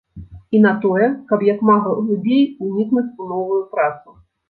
І на тое, каб як мага глыбей унікнуць у новую працу.